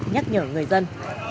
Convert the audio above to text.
nhắc nhở người dân